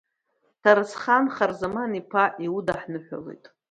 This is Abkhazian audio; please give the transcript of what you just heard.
Ҭарасхан Хырзаман-иԥа иудаҳныҳәалоит!